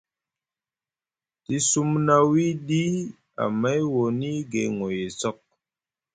Te sumna wiɗi amay woni gay ŋoyay sok.